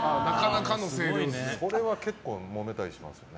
それは結構もめたりしますね。